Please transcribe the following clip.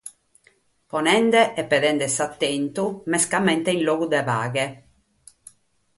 Ponende e pedende s’atentu mescamente in logu de paghe.